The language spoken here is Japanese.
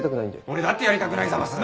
俺だってやりたくないざます。